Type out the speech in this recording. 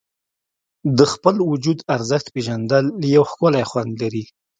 د خپل وجود ارزښت پېژندل یو ښکلی خوند لري.